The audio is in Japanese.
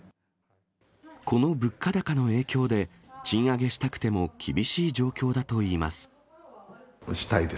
この物価高の影響で、賃上げしたくても厳しい状況だといいます。